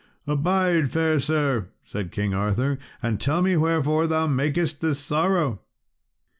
"Abide, fair sir," said King Arthur, "and tell me wherefore thou makest this sorrow."